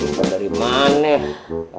ipan dari mana ya